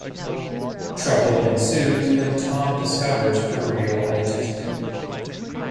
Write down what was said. Trouble ensues when Tom discovers her real identity.